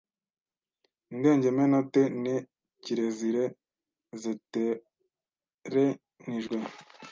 Indengemenote ne kirezire zetorenijwe